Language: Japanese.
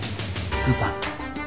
クーパー。